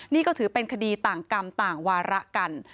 นี่ก็ถือเป็นคดีต่างกรรมต่างวาระกัน